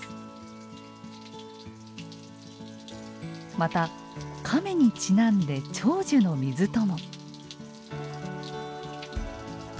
また亀にちなんで長寿の水とも。